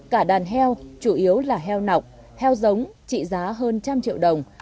cả đàn heo chủ yếu là heo nọc heo giống trị giá hơn trăm triệu đồng